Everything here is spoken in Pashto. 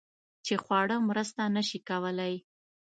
چې خواړه مرسته نشي کولی